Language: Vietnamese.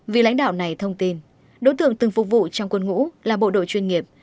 vì lãnh đạo này thông tin đối tượng từng phục vụ trong quân ngũ là bộ đội chuyên nghiệp